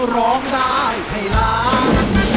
ร้องได้ให้ล้าน